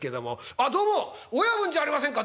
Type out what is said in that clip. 「あっどうも親分じゃありませんか！